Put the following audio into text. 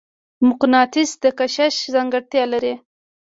مقناطیس د کشش ځانګړتیا لري.